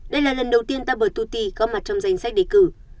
đây là lần đầu tiên double hai t có mặt trong danh sách đề cử